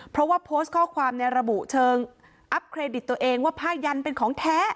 เพราะว่าโพสต์ข้อความในระบุเชิงอัพเครดิตตัวเองว่าผ้ายันเป็นของแท้